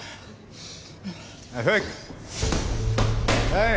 はい！